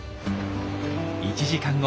１時間後。